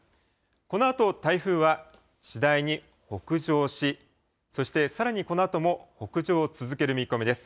このあと台風は次第に北上し、そして、さらにこのあとも北上を続ける見込みです。